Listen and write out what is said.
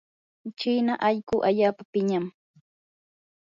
china allquu allaapa piñam.